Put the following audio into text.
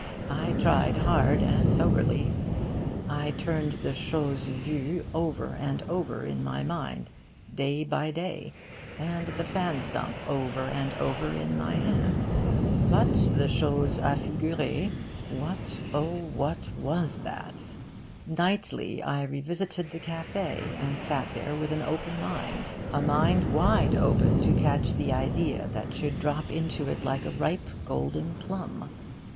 I tried hard and soberly. I turned the 'chose vue' over and over in my mind, day by day, and the fan stump over and over in my hand. But the 'chose a' figurer' what, oh what, was that? Nightly I revisited the cafe', and sat there with an open mind a mind wide open to catch the idea that should drop into it like a ripe golden plum.